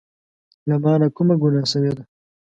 له مانه کومه ګناه شوي ده